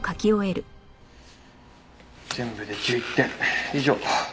全部で１１点以上。